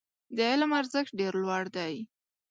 د علم ارزښت ډېر لوړ دی.